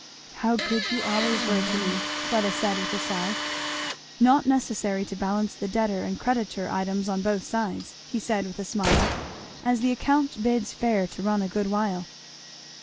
"How good you always were to me!" Fleda said with a sigh. "Not necessary to balance the debtor and creditor items on both sides," he said with a smile, "as the account bids fair to run a good while."